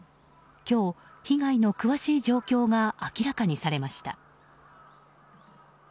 今日、被害の詳しい状況が明らかにされました。